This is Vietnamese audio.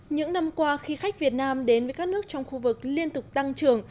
những năm qua khi khách việt nam đến với các nước trong khu vực liên tục tăng trưởng